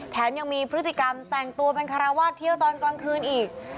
แถมยังมีพฤติกรรมแต่งตัวเป็นคาราวาสเที่ยวตอนกลางคืนอีก